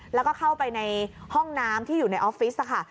แล้วก็เข้าไปในห้องน้ำที่อยู่ในออฟฟิศค่ะ